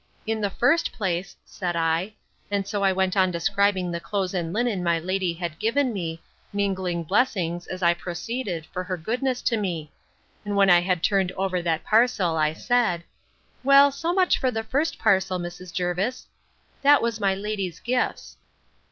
—In the first place, said I—and so I went on describing the clothes and linen my lady had given me, mingling blessings, as I proceeded, for her goodness to me; and when I had turned over that parcel, I said, Well, so much for the first parcel, Mrs. Jervis; that was my lady's gifts.